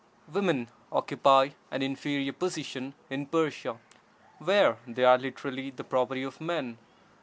Women occupy an inferior position in Persia, where they are literally the property of men.